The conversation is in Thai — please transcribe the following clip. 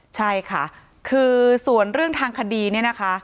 ใช่ค่ะคือส่วนเรื่องทางคดีเนี่ยนะคะ